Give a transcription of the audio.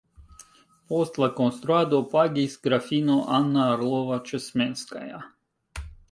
Por la konstruado pagis grafino Anna Orlova-Ĉesmenskaja.